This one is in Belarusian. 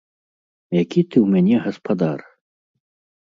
Які ты ў мяне гаспадар?